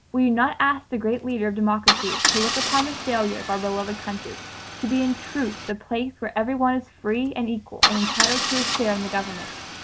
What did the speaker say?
"Will you not ask the great leader of democracy to look upon the failure of our beloved country to be in truth the place where every one is free and equal and entitled to a share in the government?